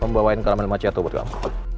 nih mau bawain karamel macchiato buat kamu